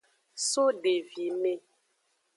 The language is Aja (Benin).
So devime.